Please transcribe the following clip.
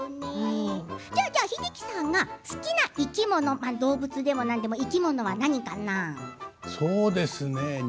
英樹さんが好きな生き物、動物でも何でも生き物は何かな？